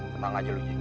tenang aja lo ji